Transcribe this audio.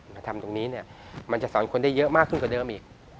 มาทำตรงนี้เนี่ยมันจะสอนคนได้เยอะมากขึ้นกว่าเดิมอีก